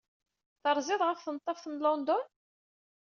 Terzid ɣef Tneḍḍaft n London?